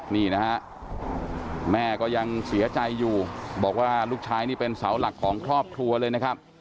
นี่นะฮะแม่ก็ยังเสียใจอยู่บอกว่าลูกชายนี่เป็นเสาหลักของครอบครัวเลยนะครับ